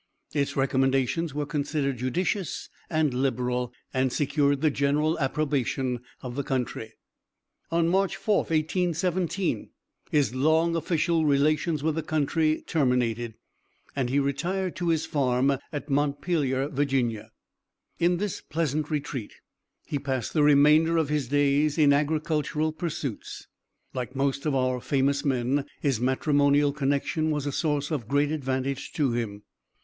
Its recommendations were considered judicious and liberal, and secured the general approbation of the country. On March 4, 1817, his long official relations with the country terminated, and he retired to his farm at Montpelier, Virginia. In this pleasant retreat he passed the remainder of his days in agricultural pursuits. Like most of our famous men, his matrimonial connection was a source of great advantage to him.